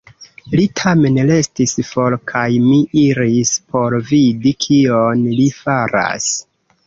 Li tamen restis for kaj mi iris por vidi, kion li faras.